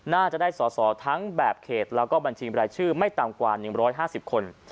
น่าจะได้สอสอทั้งแบบแผดและบัญชีรายชื่อไม่ตามกว่า๑๕๐คน